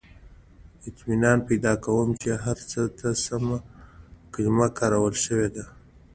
• اطمینان پیدا کوم، چې هر څه ته سمه کلمه کارول شوې ده.